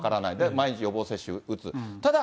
毎年予防接種を打つ。